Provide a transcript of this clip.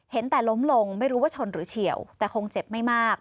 เห็นแต่ล้มลงไม่รู้ว่าชนหรือเฉียวแต่คงเจ็บไม่มาก